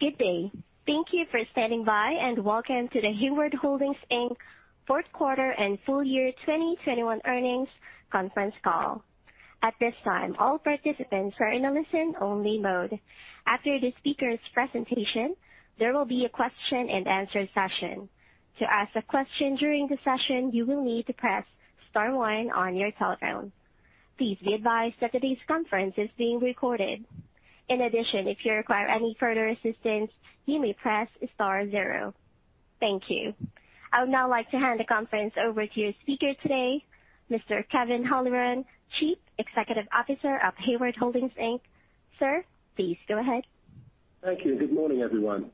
Good day. Thank you for standing by, and welcome to the Hayward Holdings, Inc. Q4 and full year 2021 earnings conference call. At this time, all participants are in a listen-only mode. After the speaker's presentation, there will be a question-and-answer session. To ask a question during the session, you will need to press star one on your telephone. Please be advised that today's conference is being recorded. In addition, if you require any further assistance, you may press star zero. Thank you. I would now like to hand the conference over to your speaker today, Mr. Kevin Holleran, Chief Executive Officer of Hayward Holdings, Inc. Sir, please go ahead. Thank you, and good morning, everyone.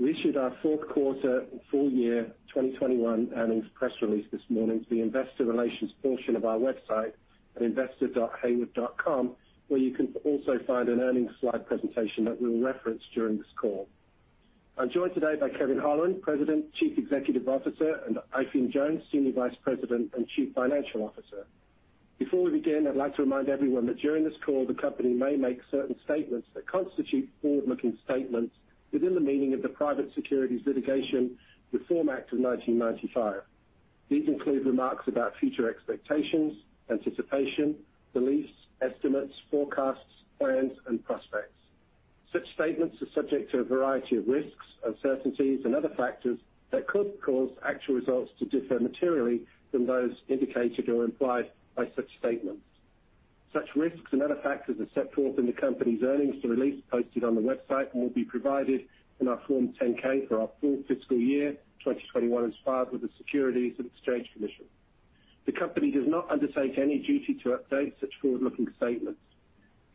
We issued our Q4 and full year 2021 earnings press release this morning to the investor relations portion of our website at investor.hayward.com, where you can also find an earnings slide presentation that we'll reference during this call. I'm joined today by Kevin Holleran, President, Chief Executive Officer, and Eifion Jones, Senior Vice President and Chief Financial Officer. Before we begin, I'd like to remind everyone that during this call, the company may make certain statements that constitute forward-looking statements within the meaning of the Private Securities Litigation Reform Act of 1995. These include remarks about future expectations, anticipation, beliefs, estimates, forecasts, plans, and prospects. Such statements are subject to a variety of risks, uncertainties, and other factors that could cause actual results to differ materially from those indicated or implied by such statements. Such risks and other factors are set forth in the company's earnings release posted on the website and will be provided in our Form 10-K for our full fiscal year 2021, as filed with the Securities and Exchange Commission. The company does not undertake any duty to update such forward-looking statements.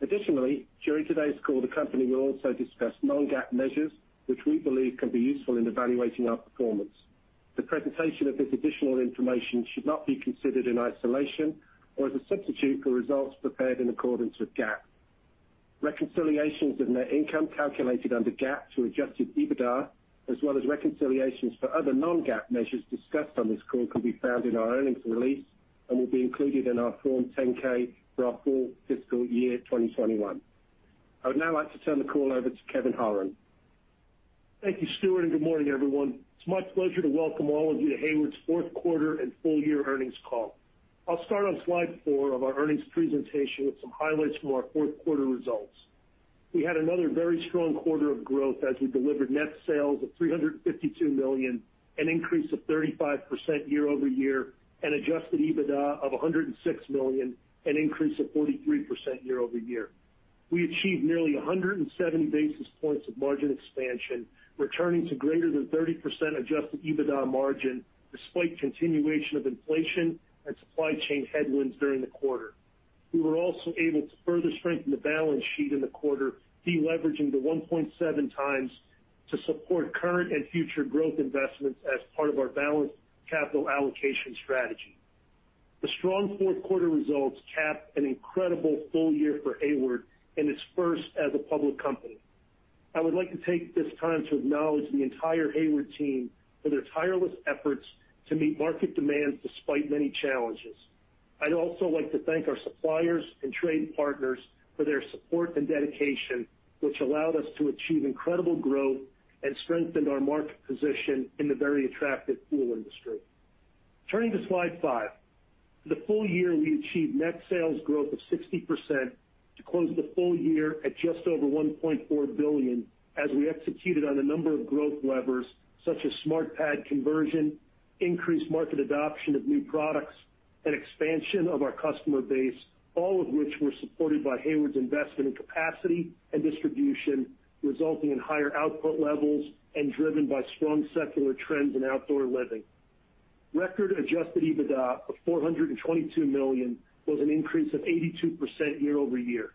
Additionally, during today's call, the company will also discuss non-GAAP measures, which we believe can be useful in evaluating our performance. The presentation of this additional information should not be considered in isolation or as a substitute for results prepared in accordance with GAAP. Reconciliations of net income calculated under GAAP to adjusted EBITDA, as well as reconciliations for other non-GAAP measures discussed on this call, can be found in our earnings release and will be included in our Form 10-K for our full fiscal year 2021. I would now like to turn the call over to Kevin Holleran. Thank you, Stuart, and good morning, everyone. It's my pleasure to welcome all of you to Hayward's Q4 and full year earnings call. I'll start on slide 4 of our earnings presentation with some highlights from our Q4 results. We had another very strong quarter of growth as we delivered net sales of $352 million, an increase of 35% year-over-year, and adjusted EBITDA of $106 million, an increase of 43% year-over-year. We achieved nearly 170 basis points of margin expansion, returning to greater than 30% adjusted EBITDA margin despite continuation of inflation and supply chain headwinds during the quarter. We were also able to further strengthen the balance sheet in the quarter, deleveraging to 1.7 times to support current and future growth investments as part of our balanced capital allocation strategy. The strong Q4 results capped an incredible full year for Hayward in its first as a public company. I would like to take this time to acknowledge the entire Hayward team for their tireless efforts to meet market demands despite many challenges. I'd also like to thank our suppliers and trade partners for their support and dedication, which allowed us to achieve incredible growth and strengthened our market position in the very attractive pool industry. Turning to slide 5. For the full year, we achieved net sales growth of 60% to close the full year at just over $1.4 billion as we executed on a number of growth levers such as SmartPad conversion, increased market adoption of new products, and expansion of our customer base, all of which were supported by Hayward's investment in capacity and distribution, resulting in higher output levels and driven by strong secular trends in outdoor living. Record adjusted EBITDA of $422 million was an increase of 82% year-over-year.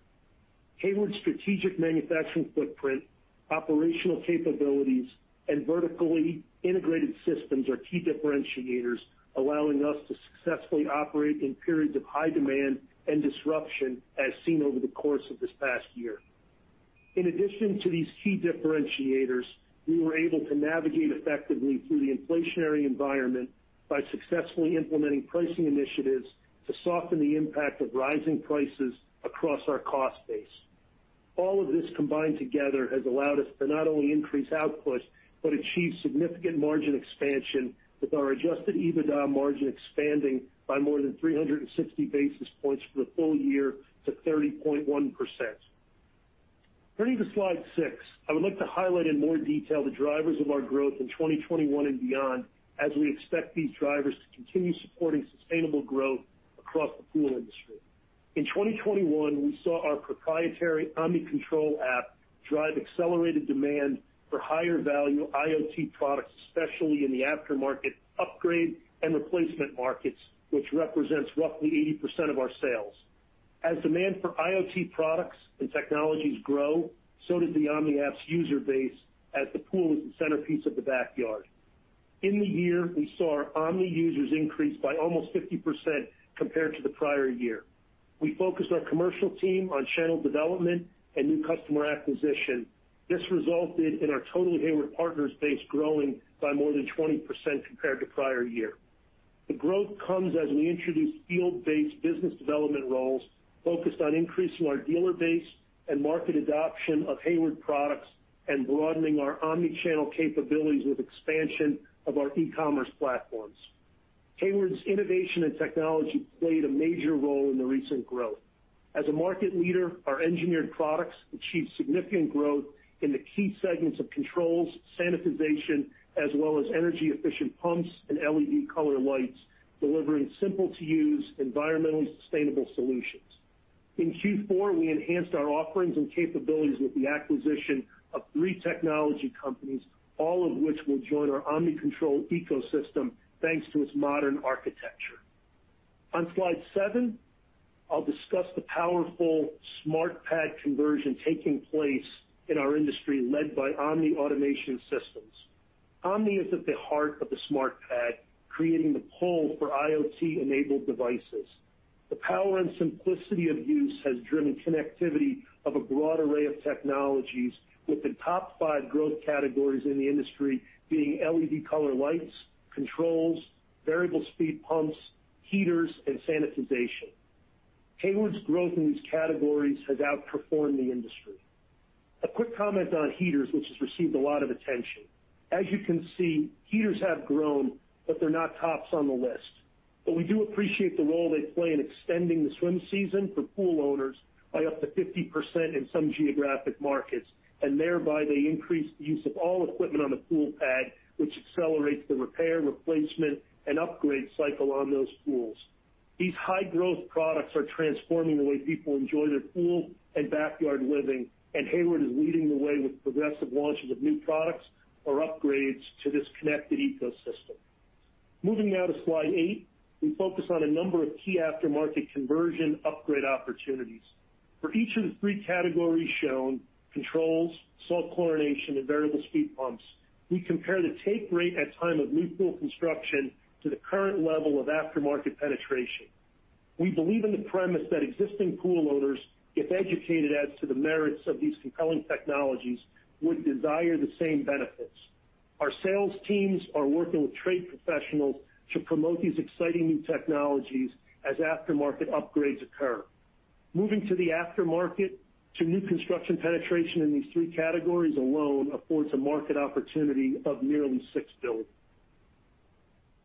Hayward's strategic manufacturing footprint, operational capabilities, and vertically integrated systems are key differentiators, allowing us to successfully operate in periods of high demand and disruption as seen over the course of this past year. In addition to these key differentiators, we were able to navigate effectively through the inflationary environment by successfully implementing pricing initiatives to soften the impact of rising prices across our cost base. All of this combined together has allowed us to not only increase output but achieve significant margin expansion with our adjusted EBITDA margin expanding by more than 360 basis points for the full year to 30.1%. Turning to slide six. I would like to highlight in more detail the drivers of our growth in 2021 and beyond as we expect these drivers to continue supporting sustainable growth across the pool industry. In 2021, we saw our proprietary Omni Control app drive accelerated demand for higher-value IoT products, especially in the aftermarket upgrade and replacement markets, which represents roughly 80% of our sales. As demand for IoT products and technologies grow, so did the Omni apps user base as the pool is the centerpiece of the backyard. In the year, we saw our Omni users increase by almost 50% compared to the prior year. We focused our commercial team on channel development and new customer acquisition. This resulted in our total Hayward partners base growing by more than 20% compared to prior year. The growth comes as we introduce field-based business development roles focused on increasing our dealer base and market adoption of Hayward products and broadening our omni-channel capabilities with expansion of our e-commerce platforms. Hayward's innovation and technology played a major role in the recent growth. As a market leader, our engineered products achieved significant growth in the key segments of controls, sanitization, as well as energy-efficient pumps and LED color lights, delivering simple-to-use, environmentally sustainable solutions. In Q4, we enhanced our offerings and capabilities with the acquisition of three technology companies, all of which will join our Omni control ecosystem, thanks to its modern architecture. On slide seven, I'll discuss the powerful SmartPad conversion taking place in our industry, led by Omni Automation. Omni is at the heart of the SmartPad, creating the pull for IoT-enabled devices. The power and simplicity of use has driven connectivity of a broad array of technologies, with the top five growth categories in the industry being LED color lights, controls, variable speed pumps, heaters, and sanitization. Hayward's growth in these categories has outperformed the industry. A quick comment on heaters, which has received a lot of attention. As you can see, heaters have grown, but they're not tops on the list. We do appreciate the role they play in extending the swim season for pool owners by up to 50% in some geographic markets, and thereby they increase the use of all equipment on the pool pad, which accelerates the repair, replacement, and upgrade cycle on those pools. These high-growth products are transforming the way people enjoy their pool and backyard living, and Hayward is leading the way with progressive launches of new products or upgrades to this connected ecosystem. Moving now to slide 8, we focus on a number of key aftermarket conversion upgrade opportunities. For each of the three categories shown, controls, salt chlorination, and variable speed pumps, we compare the take rate at time of new pool construction to the current level of aftermarket penetration. We believe in the premise that existing pool owners, if educated as to the merits of these compelling technologies, would desire the same benefits. Our sales teams are working with trade professionals to promote these exciting new technologies as aftermarket upgrades occur. Moving to the aftermarket to new construction penetration in these three categories alone affords a market opportunity of nearly $6 billion.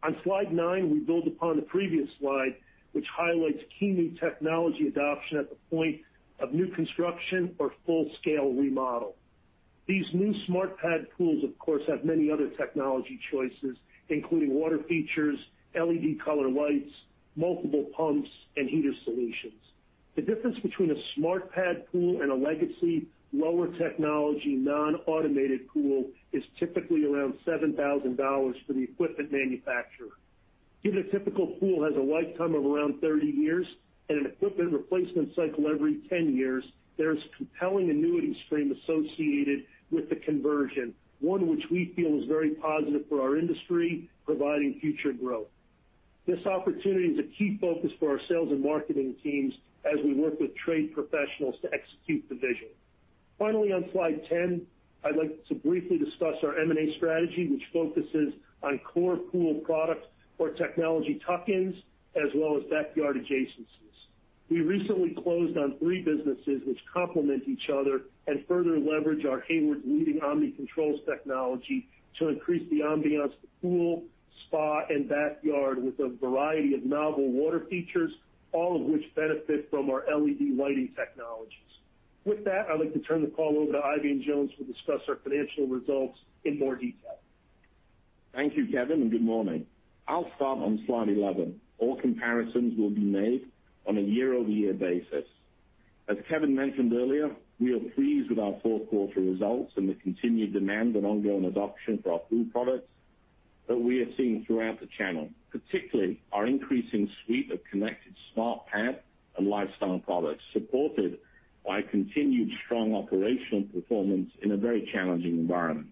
On slide nine, we build upon the previous slide, which highlights key new technology adoption at the point of new construction or full-scale remodel. These new SmartPad pools, of course, have many other technology choices, including water features, LED color lights, multiple pumps, and heater solutions. The difference between a SmartPad pool and a legacy lower technology non-automated pool is typically around $7,000 for the equipment manufacturer. Given a typical pool has a lifetime of around 30 years and an equipment replacement cycle every 10 years, there's compelling annuity stream associated with the conversion, one which we feel is very positive for our industry, providing future growth. This opportunity is a key focus for our sales and marketing teams as we work with trade professionals to execute the vision. Finally, on slide 10, I'd like to briefly discuss our M&A strategy, which focuses on core pool products or technology tuck-ins, as well as backyard adjacencies. We recently closed on three businesses which complement each other and further leverage our Hayward-leading Omni controls technology to increase the ambiance of pool, spa, and backyard with a variety of novel water features, all of which benefit from our LED lighting technologies. With that, I'd like to turn the call over to Eifion Jones who'll discuss our financial results in more detail. Thank you, Kevin, and good morning. I'll start on slide 11. All comparisons will be made on a year-over-year basis. As Kevin mentioned earlier, we are pleased with our Q4 results and the continued demand and ongoing adoption for our pool products that we are seeing throughout the channel, particularly our increasing suite of connected SmartPad and lifestyle products, supported by continued strong operational performance in a very challenging environment.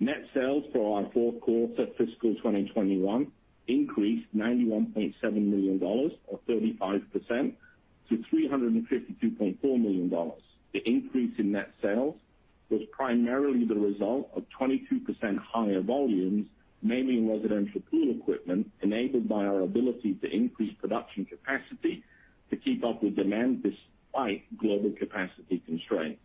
Net sales for our Q4 fiscal 2021 increased $91.7 million or 35% to $352.4 million. The increase in net sales was primarily the result of 22% higher volumes, mainly in residential pool equipment, enabled by our ability to increase production capacity to keep up with demand despite global capacity constraints.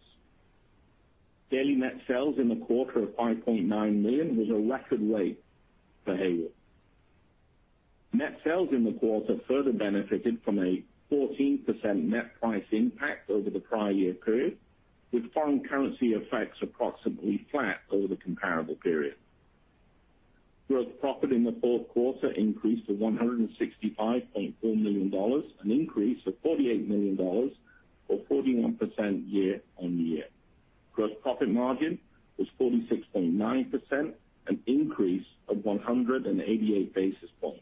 Daily net sales in the quarter of $5.9 million was a record rate for Hayward. Net sales in the quarter further benefited from a 14% net price impact over the prior year period, with foreign currency effects approximately flat over the comparable period. Gross profit in the Q4 increased to $165.4 million, an increase of $48 million or 41% year-on-year. Gross profit margin was 46.9%, an increase of 188 basis points.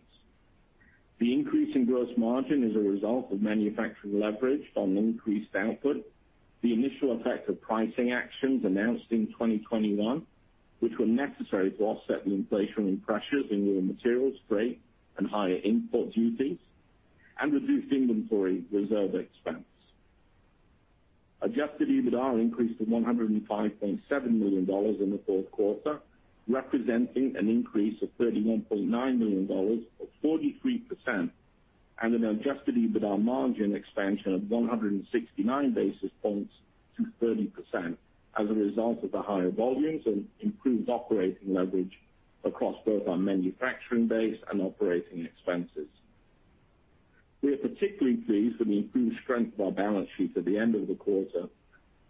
The increase in gross margin is a result of manufacturing leverage on increased output, the initial effect of pricing actions announced in 2021, which were necessary to offset the inflationary pressures in raw materials, freight, and higher import duties, and reduced inventory reserve expense. Adjusted EBITDA increased to $105.7 million in the Q4, representing an increase of $31.9 million or 43% and an adjusted EBITDA margin expansion of 169 basis points to 30% as a result of the higher volumes and improved operating leverage across both our manufacturing base and operating expenses. We are particularly pleased with the improved strength of our balance sheet at the end of the quarter,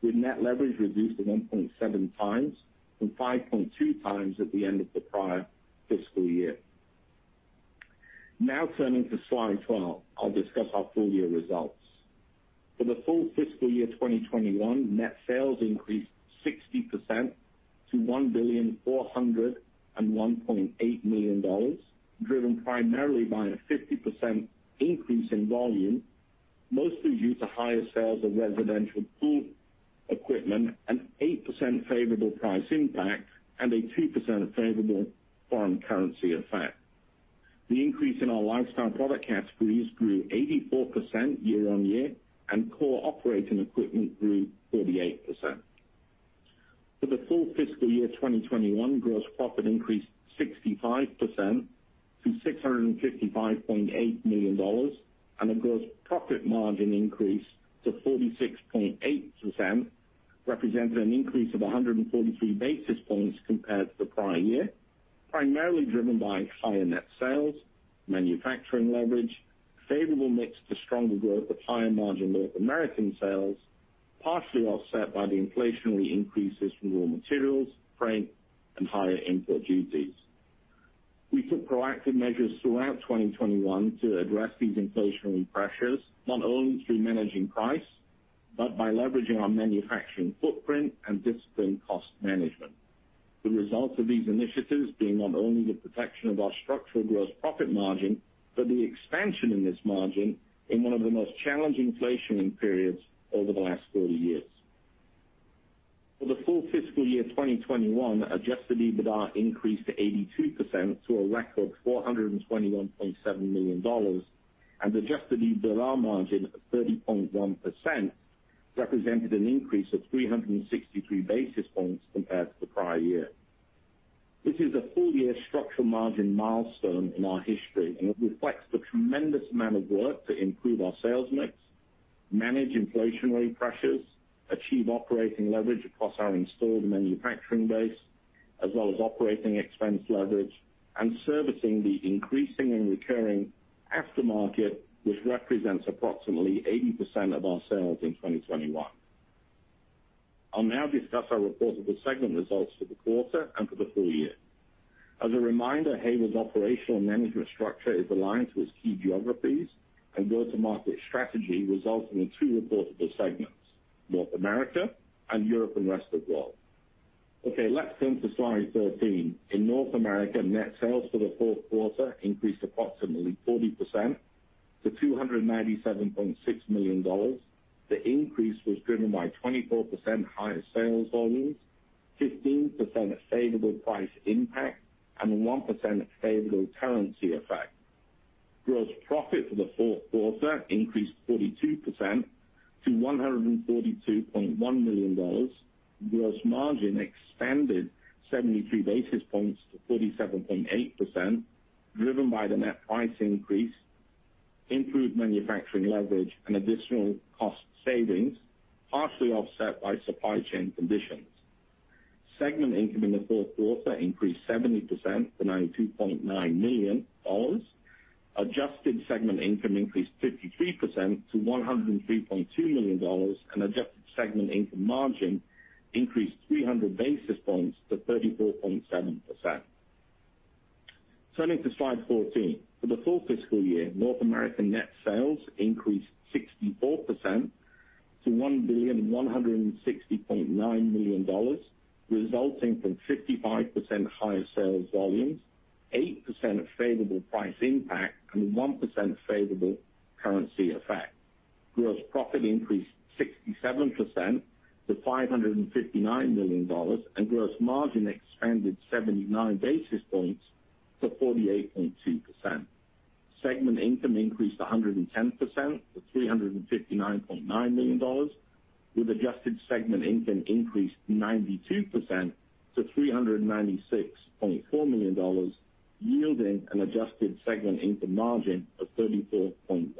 with net leverage reduced to 1.7 times from 5.2 times at the end of the prior fiscal year. Now turning to slide 12, I'll discuss our full year results. For the full fiscal year 2021, net sales increased 60% to $1,401.8 million, driven primarily by a 50% increase in volume, mostly due to higher sales of residential pool equipment, an 8% favorable price impact and a 2% favorable foreign currency effect. The increase in our lifestyle product categories grew 84% year-on-year and core operating equipment grew 48%. For the full fiscal year 2021, gross profit increased 65% to $655.8 million. A gross profit margin increase to 46.8%, representing an increase of 143 basis points compared to the prior year, primarily driven by higher net sales, manufacturing leverage, favorable mix to stronger growth of higher margin North American sales, partially offset by the inflationary increases from raw materials, freight, and higher import duties. We took proactive measures throughout 2021 to address these inflationary pressures, not only through managing price, but by leveraging our manufacturing footprint and disciplined cost management. The result of these initiatives being not only the protection of our structural gross profit margin, but the expansion in this margin in one of the most challenging inflationary periods over the last 40 years. For the full fiscal year 2021, adjusted EBITDA increased 82% to a record $421.7 million and adjusted EBITDA margin of 30.1% represented an increase of 363 basis points compared to the prior year. This is a full year structural margin milestone in our history, and it reflects the tremendous amount of work to improve our sales mix, manage inflationary pressures, achieve operating leverage across our installed manufacturing base, as well as operating expense leverage and servicing the increasing and recurring aftermarket, which represents approximately 80% of our sales in 2021. I'll now discuss our reportable segment results for the quarter and for the full year. As a reminder, Hayward's operational management structure is aligned to its key geographies and go-to-market strategy, resulting in two reportable segments, North America and Europe and Rest of World. Okay, let's turn to slide 13. In North America, net sales for the Q4 increased approximately 40% to $297.6 million. The increase was driven by 24% higher sales volumes, 15% favorable price impact, and 1% favorable currency effect. Gross profit for the Q4 increased 42% to $142.1 million. Gross margin expanded 73 basis points to 47.8%, driven by the net price increase, improved manufacturing leverage and additional cost savings, partially offset by supply chain conditions. Segment income in the Q4 increased 70% to $92.9 million. Adjusted segment income increased 53% to $103.2 million, and adjusted segment income margin increased 300 basis points to 34.7%. Turning to slide 14. For the full fiscal year, North American net sales increased 64% to $1,160.9 million, resulting from 55% higher sales volumes, 8% favorable price impact and 1% favorable currency effect. Gross profit increased 67% to $559 million, and gross margin expanded 79 basis points to 48.2%. Segment income increased 110% to $359.9 million, with adjusted segment income increased 92% to $396.4 million, yielding an adjusted segment income margin of 34.1%.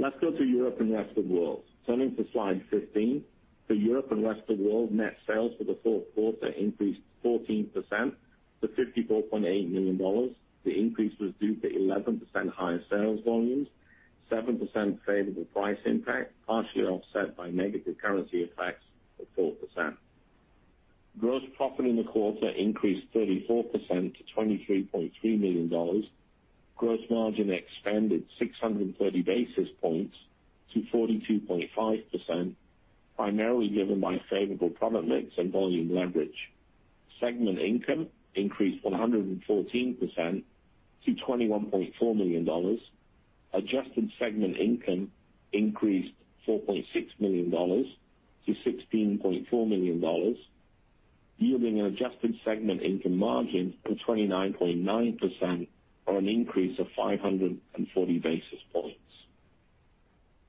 Let's go to Europe and Rest of World. Turning to slide 15. For Europe and Rest of World, net sales for the Q4 increased 14% to $54.8 million. The increase was due to 11% higher sales volumes, 7% favorable price impact, partially offset by negative currency effects of 4%. Gross profit in the quarter increased 34% to $23.3 million. Gross margin expanded 630 basis points to 42.5%, primarily driven by favorable product mix and volume leverage. Segment income increased 114% to $21.4 million. Adjusted segment income increased $4.6 million to $16.4 million. Yielding an adjusted segment income margin of 29.9% on an increase of 540 basis points.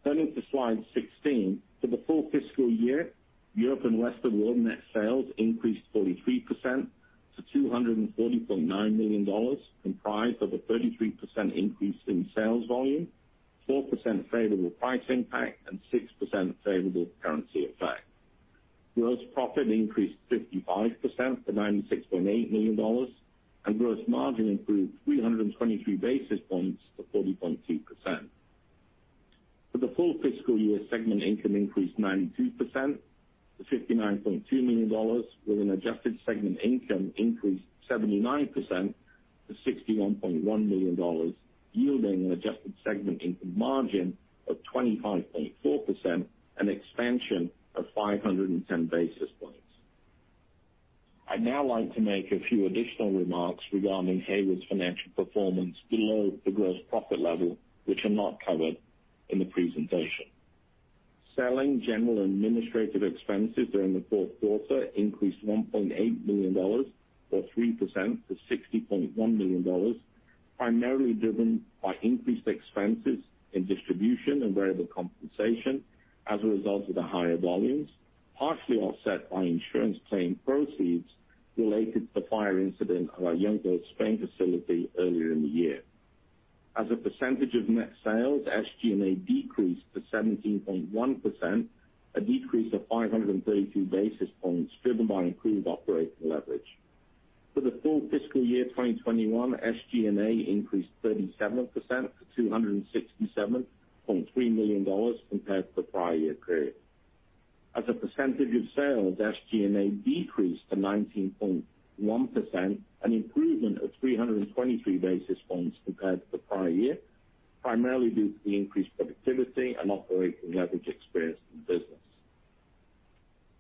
Turning to slide 16. For the full fiscal year, Europe & Rest of World net sales increased 43% to $240.9 million, comprised of a 33% increase in sales volume, 4% favorable price impact and 6% favorable currency effect. Gross profit increased 55% to $96.8 million and gross margin improved 323 basis points to 40.2%. For the full fiscal year, segment income increased 92% to $59.2 million with an adjusted segment income increase 79% to $61.1 million, yielding an adjusted segment income margin of 25.4%, an expansion of 510 basis points. I'd now like to make a few additional remarks regarding Hayward's financial performance below the gross profit level, which are not covered in the presentation. Selling, general, and administrative expenses during the Q4 increased $1.8 million or 3% to $60.1 million, primarily driven by increased expenses in distribution and variable compensation as a result of the higher volumes, partially offset by insurance claim proceeds related to the fire incident at our Yuncos, Spain facility earlier in the year. As a percentage of net sales, SG&A decreased to 17.1%, a decrease of 532 basis points driven by improved operating leverage. For the full fiscal year 2021, SG&A increased 37% to $267.3 million compared to the prior year period. As a percentage of sales, SG&A decreased to 19.1%, an improvement of 323 basis points compared to the prior year, primarily due to the increased productivity and operating leverage experienced in the business.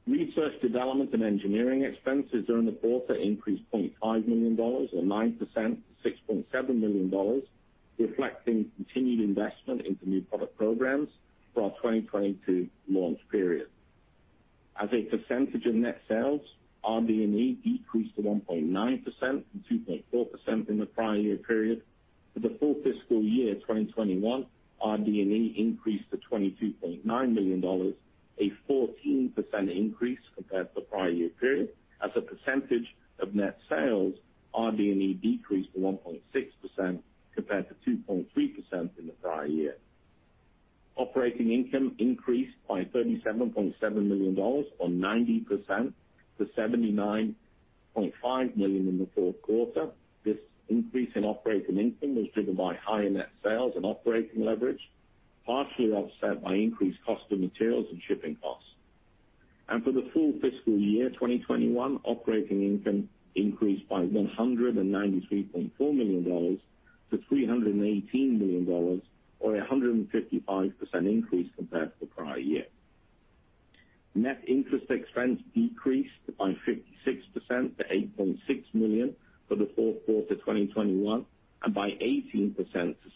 Research, development, and engineering expenses during the quarter increased $0.5 million or 9% to $6.7 million, reflecting continued investment into new product programs for our 2022 launch period. As a percentage of net sales, RD&E decreased to 1.9% from 2.4% in the prior year period. For the full fiscal year 2021, RD&E increased to $22.9 million, a 14% increase compared to the prior year period. As a percentage of net sales, RD&E decreased to 1.6% compared to 2.3% in the prior year. Operating income increased by $37.7 million or 90% to $79.5 million in the Q4. This increase in operating income was driven by higher net sales and operating leverage, partially offset by increased cost of materials and shipping costs. For the full fiscal year 2021, operating income increased by $193.4 million to $318 million or 155% increase compared to the prior year. Net interest expense decreased by 56% to $8.6 million for the Q4 2021, and by 18% to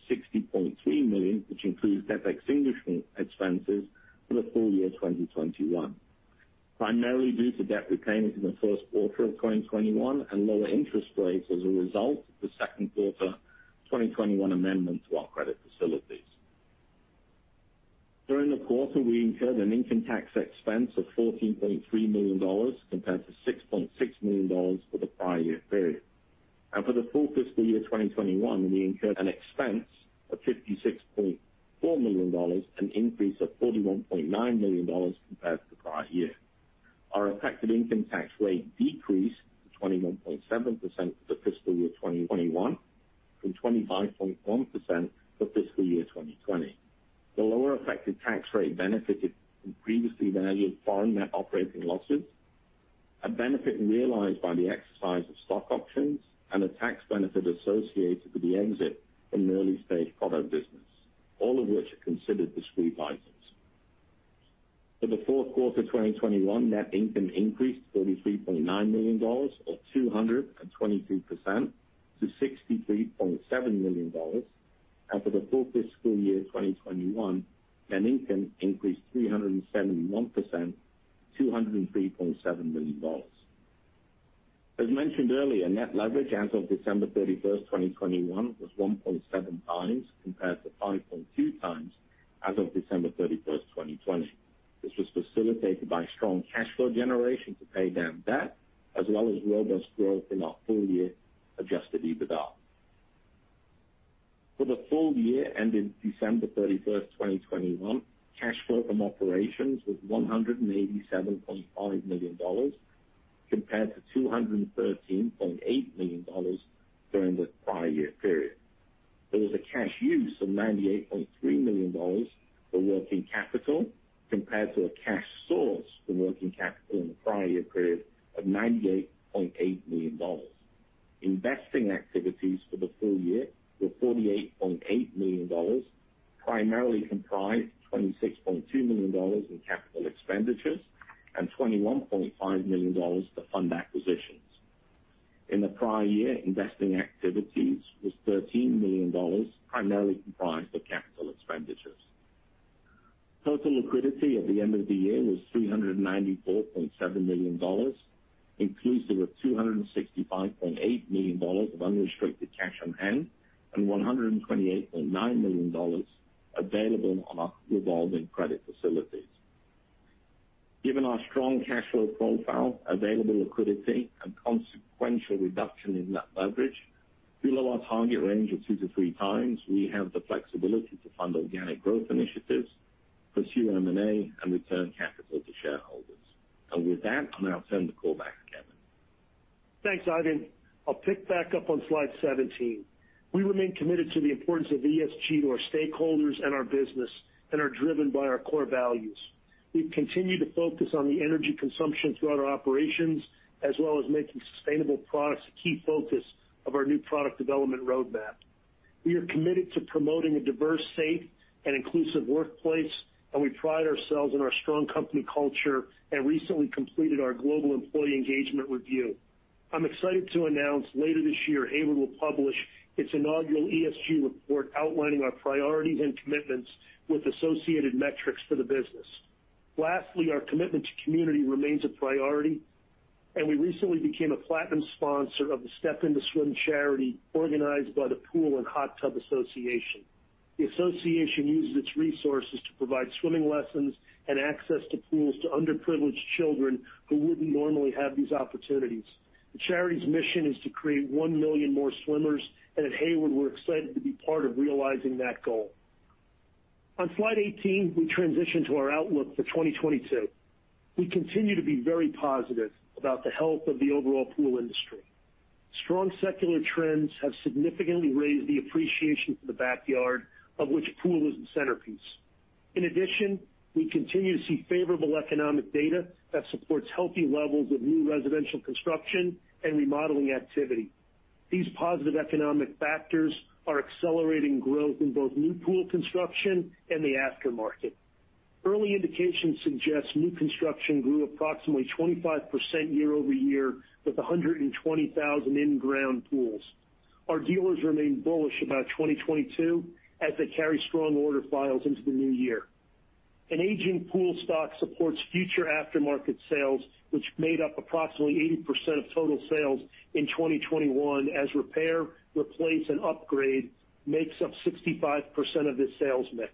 $60.3 million, which includes debt extinguishment expenses for the full year 2021, primarily due to debt repayments in the Q1 of 2021 and lower interest rates as a result of the Q2 2021 amendment to our credit facilities. During the quarter, we incurred an income tax expense of $14.3 million compared to $6.6 million for the prior year period. For the full fiscal year 2021, we incurred an expense of $56.4 million, an increase of $41.9 million compared to the prior year. Our effective income tax rate decreased to 21.7% for the fiscal year 2021 from 25.1% for fiscal year 2020. The lower effective tax rate benefited from previously valued foreign net operating losses, a benefit realized by the exercise of stock options and a tax benefit associated with the exit from the early stage product business, all of which are considered discrete items. For the Q4 2021, net income increased 223% to $63.7 million. For the full fiscal year 2021, net income increased 371% to $203.7 million. As mentioned earlier, net leverage as of December 31, 2021 was 1.7 times compared to 5.2 times as of December 31, 2020. This was facilitated by strong cash flow generation to pay down debt, as well as robust growth in our full year adjusted EBITDA. For the full year ending December 31, 2021, cash flow from operations was $187.5 million compared to $213.8 million during the prior year period. There was a cash use of $98.3 million for working capital compared to a cash source from working capital in the prior year period of $98.8 million. Investing activities for the full year were $48.8 million, primarily comprised of $26.2 million in capital expenditures and $21.5 million to fund acquisitions. In the prior year, investing activities was $13 million, primarily comprised of capital expenditures. Total liquidity at the end of the year was $394.7 million, inclusive of $265.8 million of unrestricted cash on hand, and $128.9 million available on our revolving credit facilities. Given our strong cash flow profile, available liquidity, and consequential reduction in net leverage below our target range of 2-3 times, we have the flexibility to fund organic growth initiatives, pursue M&A, and return capital to shareholders. With that, I'll now turn the call back to Kevin. Thanks, Eifion. I'll pick back up on slide 17. We remain committed to the importance of ESG to our stakeholders and our business, and are driven by our core values. We've continued to focus on the energy consumption throughout our operations, as well as making sustainable products a key focus of our new product development roadmap. We are committed to promoting a diverse, safe, and inclusive workplace, and we pride ourselves on our strong company culture, and recently completed our global employee engagement review. I'm excited to announce later this year, Hayward will publish its inaugural ESG report outlining our priorities and commitments with associated metrics for the business. Lastly, our commitment to community remains a priority, and we recently became a platinum sponsor of the Step Into Swim charity organized by The Pool & Hot Tub Alliance. The association uses its resources to provide swimming lessons and access to pools to underprivileged children who wouldn't normally have these opportunities. The charity's mission is to create 1 million more swimmers, and at Hayward, we're excited to be part of realizing that goal. On slide 18, we transition to our outlook for 2022. We continue to be very positive about the health of the overall pool industry. Strong secular trends have significantly raised the appreciation for the backyard, of which pool is the centerpiece. In addition, we continue to see favorable economic data that supports healthy levels of new residential construction and remodeling activity. These positive economic factors are accelerating growth in both new pool construction and the aftermarket. Early indications suggest new construction grew approximately 25% year-over-year with 120,000 in-ground pools. Our dealers remain bullish about 2022 as they carry strong order files into the new year. An aging pool stock supports future aftermarket sales, which made up approximately 80% of total sales in 2021 as repair, replace, and upgrade makes up 65% of the sales mix.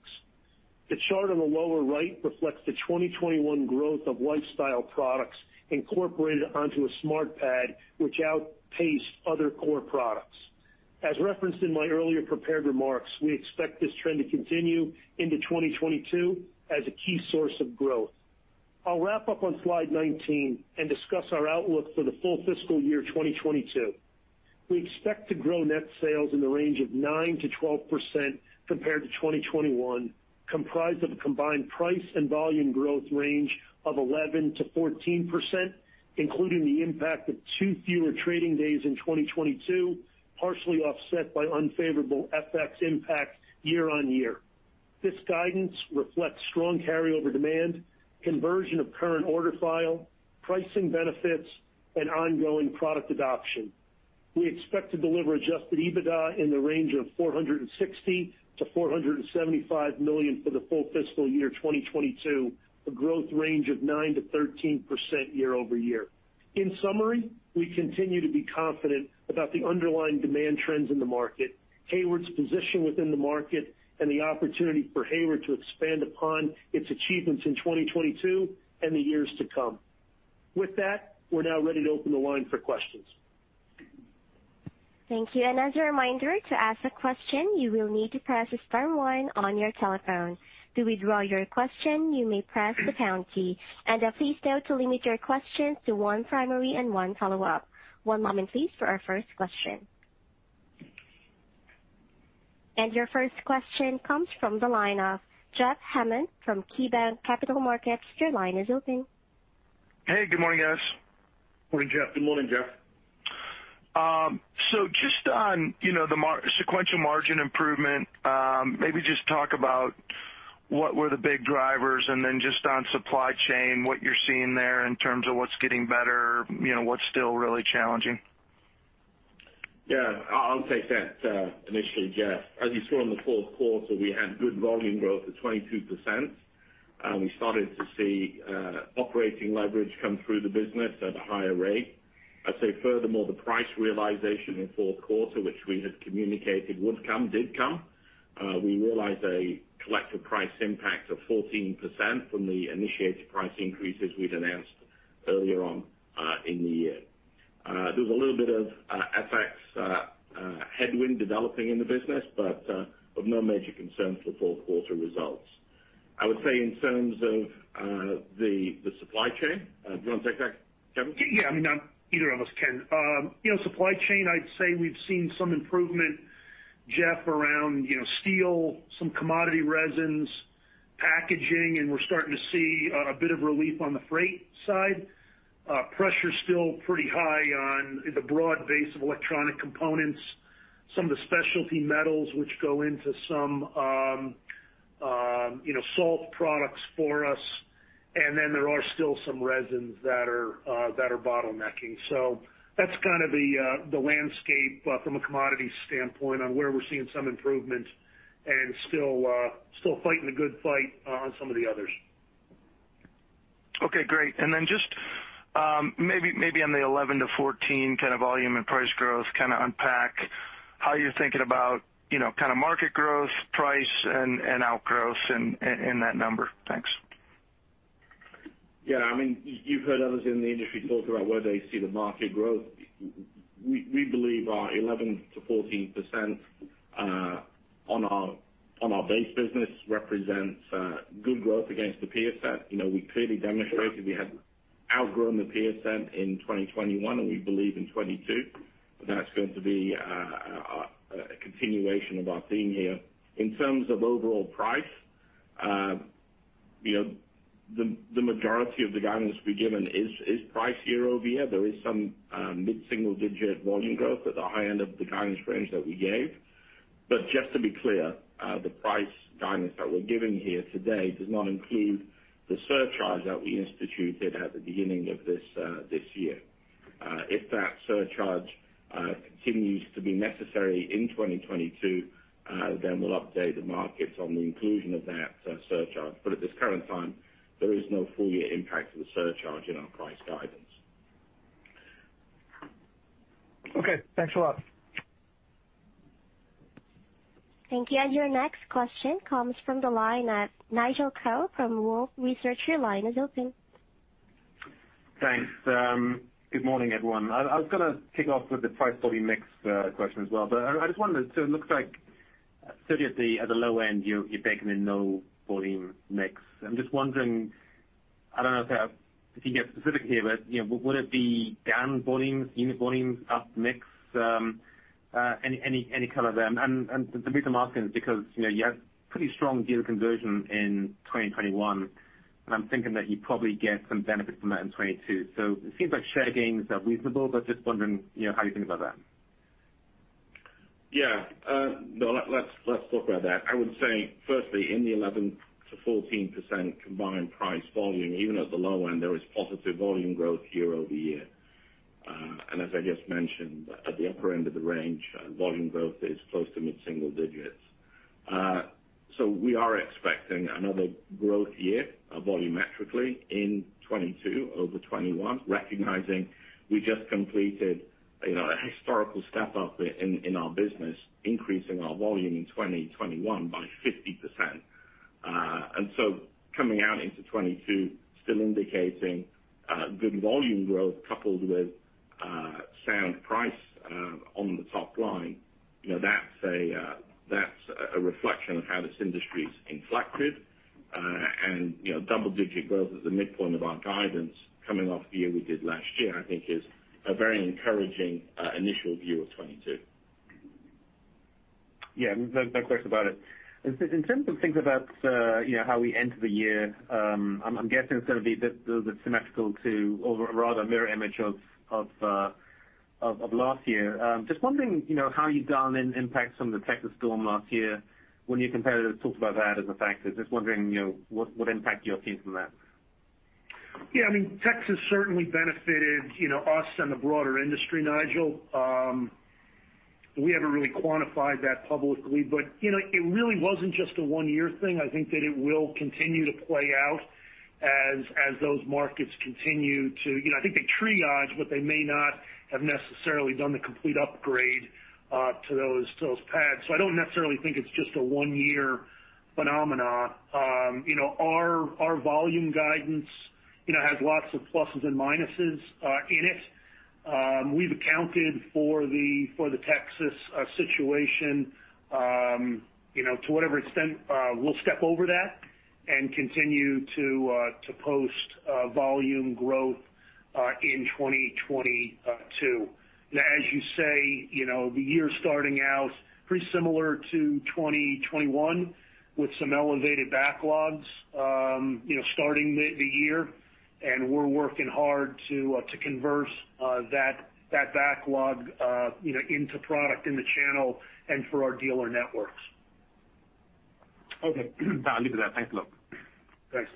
The chart on the lower right reflects the 2021 growth of lifestyle products incorporated onto a SmartPad, which outpaced other core products. As referenced in my earlier prepared remarks, we expect this trend to continue into 2022 as a key source of growth. I'll wrap up on slide 19 and discuss our outlook for the full fiscal year 2022. We expect to grow net sales in the range of 9%-12% compared to 2021, comprised of a combined price and volume growth range of 11%-14%, including the impact of 2 fewer trading days in 2022, partially offset by unfavorable FX impact year-over-year. This guidance reflects strong carryover demand, conversion of current order file, pricing benefits, and ongoing product adoption. We expect to deliver adjusted EBITDA in the range of $460 million-$475 million for the full fiscal year 2022, a growth range of 9%-13% year-over-year. In summary, we continue to be confident about the underlying demand trends in the market, Hayward's position within the market, and the opportunity for Hayward to expand upon its achievements in 2022 and the years to come. With that, we're now ready to open the line for questions. Thank you. As a reminder, to ask a question, you will need to press star one on your telephone. To withdraw your question, you may press the pound key. Please note to limit your questions to one primary and one follow-up. One moment, please, for our first question. Your first question comes from the line of Jeffrey Hammond from KeyBanc Capital Markets. Your line is open. Hey, good morning, guys. Morning, Jeff. Good morning, Jeff. Just on the sequential margin improvement, maybe just talk about what were the big drivers, and then just on supply chain, what you're seeing there in terms of what's getting better, you know, what's still really challenging. Yeah. I'll take that initially, Jeff. As you saw in the Q4, we had good volume growth of 22%. We started to see operating leverage come through the business at a higher rate. I'd say furthermore, the price realization in Q4, which we had communicated would come, did come. We realized a collective price impact of 14% from the initiated price increases we'd announced earlier on in the year. There was a little bit of FX headwind developing in the business, but of no major concerns for Q4 results. I would say in terms of the supply chain, do you wanna take that, Kevin? Yeah, I mean, either of us can. You know, supply chain, I'd say we've seen some improvement, Jeff, around, you know, steel, some commodity resins, packaging, and we're starting to see a bit of relief on the freight side. Pressure's still pretty high on the broad base of electronic components. Some of the specialty metals which go into some, you know, salt products for us. There are still some resins that are bottlenecking. So that's kind of the landscape from a commodity standpoint on where we're seeing some improvement and still fighting the good fight on some of the others. Okay, great. Just maybe on the 11%-14% kind of volume and price growth, kind of unpack how you're thinking about, you know, kind of market growth, price, and outgrowth in that number. Thanks. Yeah, I mean, you've heard others in the industry talk about where they see the market growth. We believe our 11%-14% on our base business represents good growth against the peer set. You know, we clearly demonstrated we had outgrown the peer set in 2021, and we believe in 2022 that's going to be a continuation of our theme here. In terms of overall price, you know, the majority of the guidance we've given is price year-over-year. There is some mid-single digit volume growth at the high end of the guidance range that we gave. Just to be clear, the price guidance that we're giving here today does not include the surcharge that we instituted at the beginning of this year. If that surcharge continues to be necessary in 2022, then we'll update the markets on the inclusion of that surcharge. At this current time, there is no full year impact of the surcharge in our price guidance. Okay, thanks a lot. Thank you. Your next question comes from the line at Nigel Coe from Wolfe Research. Your line is open. Thanks. Good morning, everyone. I was gonna kick off with the price volume mix question as well, but I just wondered. It looks like certainly at the low end, you're baking in no volume mix. I'm just wondering, I don't know if you get specific here, but you know, would it be down volumes, unit volumes, up mix? Any color there? The reason I'm asking is because you know, you had pretty strong deal conversion in 2021, and I'm thinking that you probably get some benefit from that in 2022. It seems like share gains are reasonable, but just wondering you know, how you think about that. Yeah. No, let's talk about that. I would say firstly, in the 11%-14% combined price volume, even at the low end, there is positive volume growth year-over-year. As I just mentioned, at the upper end of the range, volume growth is close to mid-single digits. We are expecting another growth year, volumetrically in 2022 over 2021, recognizing we just completed, you know, a historical step up in our business, increasing our volume in 2021 by 50%. Coming out into 2022, still indicating good volume growth coupled with sound price on the top line, you know, that's a reflection of how this industry's inflected. You know, double-digit growth at the midpoint of our guidance coming off the year we did last year, I think is a very encouraging initial view of 2022. Yeah. No question about it. In terms of thinking about, you know, how we enter the year, I'm guessing it's gonna be the symmetrical to or rather mirror image of last year. Just wondering, you know, how you've seen any impacts from the Texas storm last year when your competitors talked about that as a factor. Just wondering, you know, what impact you're seeing from that. Yeah. I mean, Texas certainly benefited, you know, us and the broader industry, Nigel. We haven't really quantified that publicly, but, you know, it really wasn't just a one-year thing. I think that it will continue to play out as those markets continue to. You know, I think they triaged, but they may not have necessarily done the complete upgrade to those pads. I don't necessarily think it's just a one-year phenomena. You know, our volume guidance has lots of pluses and minuses in it. We've accounted for the Texas situation. You know, to whatever extent, we'll step over that and continue to post volume growth in 2022. Now, as you say, you know, the year starting out pretty similar to 2021 with some elevated backlogs, you know, starting the year, and we're working hard to convert that backlog, you know, into product in the channel and for our dealer networks. Okay. I'll leave it at that. Thanks a lot. Thanks.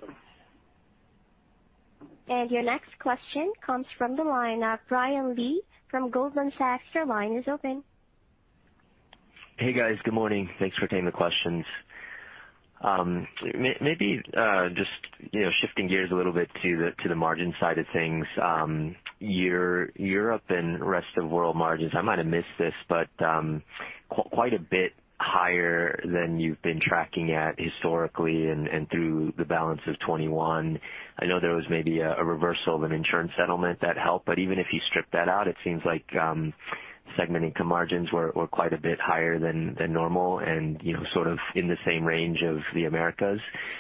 Your next question comes from the line of Brian Lee from Goldman Sachs. Your line is open. Hey, guys. Good morning. Thanks for taking the questions. Maybe just, you know, shifting gears a little bit to the margin side of things. Your Europe & Rest of World margins, I might have missed this, but quite a bit higher than you've been tracking at historically and through the balance of 2021. I know there was maybe a reversal of an insurance settlement that helped, but even if you strip that out, it seems like segment income margins were quite a bit higher than normal and, you know, sort of in the same range of the Americas.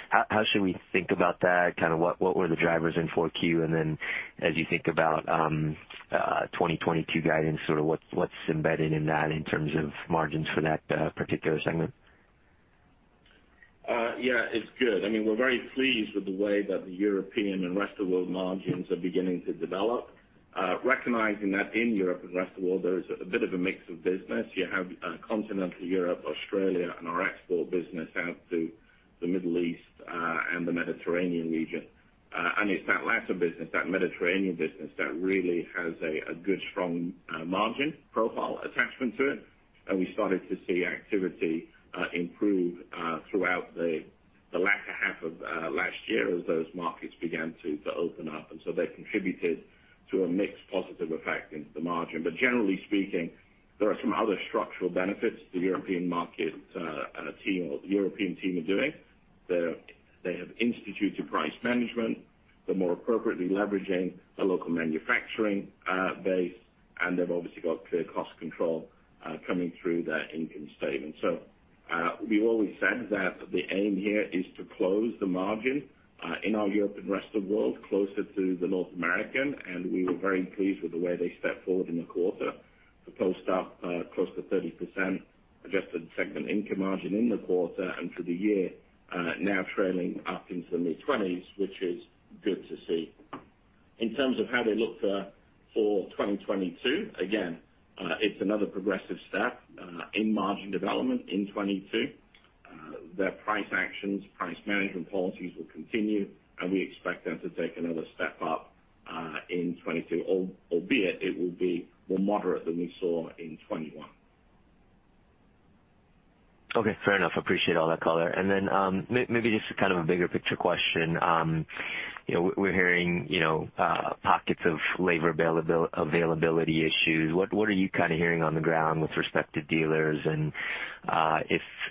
How should we think about that? Kinda what were the drivers in Q4? As you think about 2022 guidance, sort of what's embedded in that in terms of margins for that particular segment? Yeah, it's good. I mean, we're very pleased with the way that the Europe & Rest of World margins are beginning to develop. Recognizing that in Europe & Rest of World, there is a bit of a mix of business. You have continental Europe, Australia, and our export business out to the Middle East and the Mediterranean region. It's that latter business, that Mediterranean business, that really has a good strong margin profile attachment to it. We started to see activity improve throughout the latter half of last year as those markets began to open up. They contributed to a mix positive effect into the margin. Generally speaking, there are some other structural benefits the European market team or the European team are doing. They have instituted price management. They're more appropriately leveraging a local manufacturing base, and they've obviously got clear cost control coming through their income statement. We've always said that the aim here is to close the margin in our Europe & Rest of World closer to the North American, and we were very pleased with the way they stepped forward in the quarter to post up close to 30% adjusted segment income margin in the quarter and for the year, now trailing up into the mid-20s%, which is good to see. In terms of how they look for 2022, again, it's another progressive step in margin development in 2022. Their price actions, price management policies will continue, and we expect them to take another step up in 2022, albeit it will be more moderate than we saw in 2021. Okay, fair enough. Appreciate all that color. Then, maybe just kind of a bigger picture question. You know, we're hearing, you know, pockets of labor availability issues. What are you kind of hearing on the ground with respect to dealers and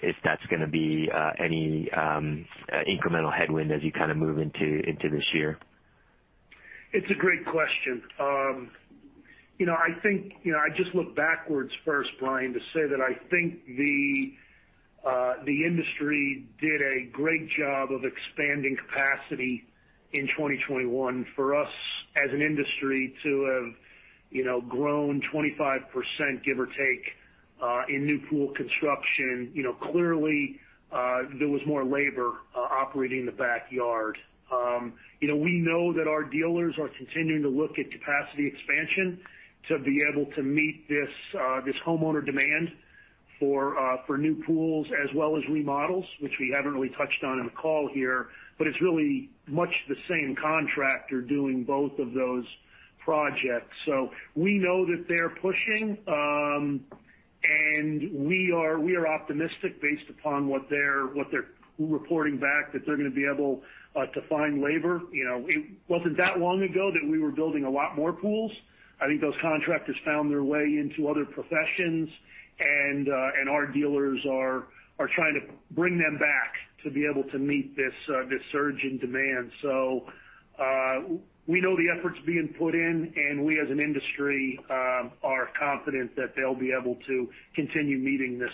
if that's gonna be any incremental headwind as you kind of move into this year? It's a great question. You know, I think, you know, I just look backwards first, Brian, to say that I think the industry did a great job of expanding capacity in 2021. For us as an industry to have, you know, grown 25%, give or take, in new pool construction, you know, clearly, there was more labor operating in the backyard. You know, we know that our dealers are continuing to look at capacity expansion to be able to meet this homeowner demand for new pools as well as remodels, which we haven't really touched on in the call here, but it's really much the same contractor doing both of those projects. We know that they're pushing, and we are optimistic based upon what they're reporting back that they're gonna be able to find labor. You know, it wasn't that long ago that we were building a lot more pools. I think those contractors found their way into other professions, and our dealers are trying to bring them back to be able to meet this surge in demand. We know the efforts being put in, and we as an industry are confident that they'll be able to continue meeting this